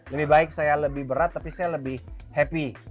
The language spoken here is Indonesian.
lebih baik saya lebih berat tapi saya lebih happy